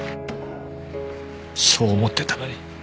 そう思ってたのに。